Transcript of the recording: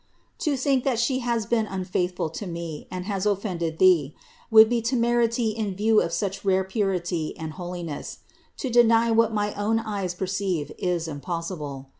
To think that She has been unfaithful to me, and has offended Thee, would be temerity in view of such rare purity and holi ness : to deny what my own eyes perceive is impossible.